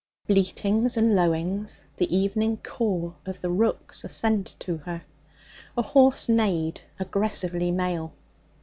Bleatings and lowings, the evening caw of the rooks ascended to her; a horse neighed, aggressively male.